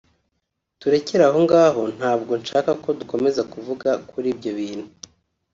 turekere ahongaho ntago nshaka ko dukomeza kuvuga kuri ibyo bintu